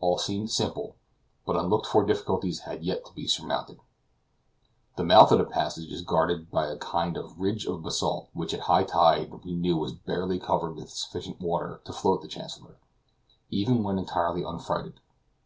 All seemed simple. But unlooked for difficulties had yet to be surmounted. The mouth of the passage is guarded by a kind of ridge of basalt, which at high tide we knew was barely covered with sufficient water to float the Chancellor, even when entirely unfreighted.